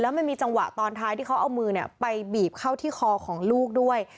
มันมีจังหวะตอนท้ายที่เขาเอามือไปบีบเข้าที่คอของลูกด้วย